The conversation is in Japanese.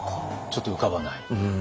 ちょっと浮かばない？